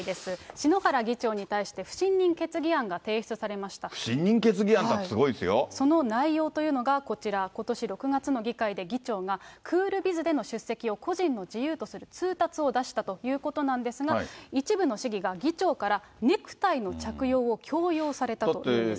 篠原議長に対して、不信任決議案不信任決議案ってすごいですその内容というのが、こちら、ことし６月の議会で議長がクールビズでの出席を個人の自由とする通達を出したということなんですが、一部の市議が議長からネクタイの着用を強要されたというんです。